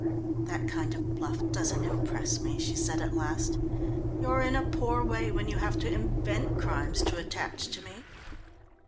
"That kind of bluff doesn't impress me," she said at last. "You're in a poor way when you have to invent crimes to attach to me."